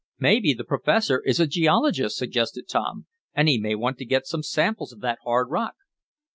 "Maybe the professor is a geologist," suggested Tom, "and he may want to get some samples of that hard rock."